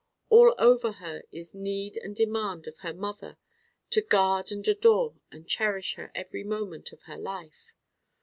All over her is need and demand of her mother to guard and adore and cherish her every moment of her life.